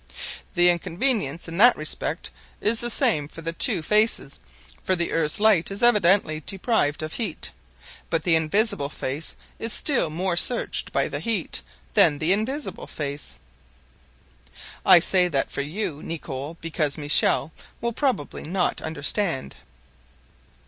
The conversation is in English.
"The inconvenience, in that respect, is the same for the two faces, for the earth's light is evidently deprived of heat. But the invisible face is still more searched by the heat than the visible face. I say that for you, Nicholl, because Michel will probably not understand."